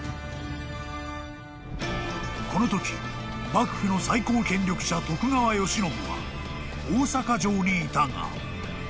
［このとき幕府の最高権力者徳川慶喜は大坂城にいたが］